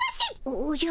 おおじゃ。